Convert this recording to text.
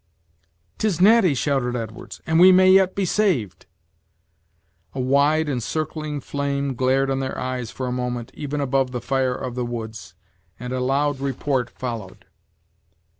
"'Tis Natty!" shouted Edwards, "and we may yet be saved!" A wide and circling flame glared on their eyes for a moment, even above the fire of the woods, and a loud report followed.